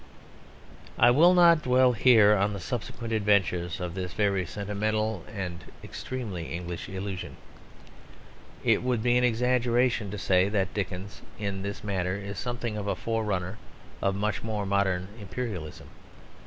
I will not dwell here on the subsequent adventures of this very sentimental and extremely English illusion. It would be an exaggeration to say that Dickens in this matter is something of a forerunner of much modern imperialism.